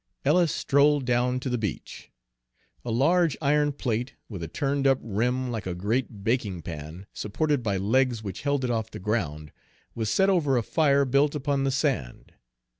Ellis strolled down to the beach. A large iron plate, with a turned up rim like a great baking pan, supported by legs which held it off the ground, was set over a fire built upon the sand.